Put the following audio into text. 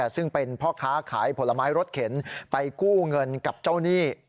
ซึ่งเป็นพ่อค้าขายผลไม้รถเข็นไปกู้เงินกับเจ้าหนี้